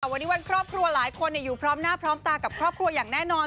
วันนี้วันครอบครัวหลายคนอยู่พร้อมหน้าพร้อมตากับครอบครัวอย่างแน่นอน